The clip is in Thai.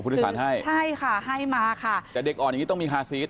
โดยสารให้ใช่ค่ะลูกอ่อนอย่างนี้ต้องมีคาร์ซีท